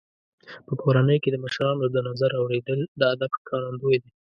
په کورنۍ کې د مشرانو د نظر اورېدل د ادب ښکارندوی دی.